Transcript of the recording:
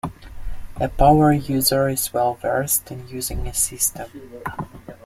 A power user is well versed in using a system.